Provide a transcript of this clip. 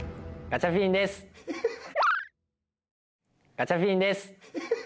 ガチャピンです。